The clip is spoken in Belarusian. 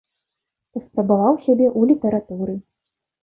Паспрабаваў сябе ў літаратуры.